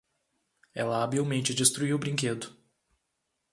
Ela habilmente destruiu o brinquedo.